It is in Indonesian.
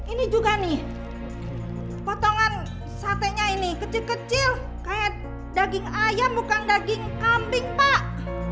ini juga nih potongan satenya ini kecil kecil kayak daging ayam bukan daging kambing pak